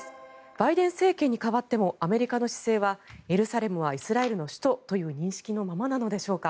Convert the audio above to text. バイデン政権に代わってもアメリカの姿勢はエルサレムはイスラエルの首都という認識のままなんでしょうか。